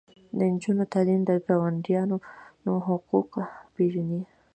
د نجونو تعلیم د ګاونډیانو حقوق پیژني.